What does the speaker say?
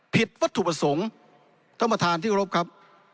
ผิดวัตถุประสงค์ท่านประธานที่กรบครับ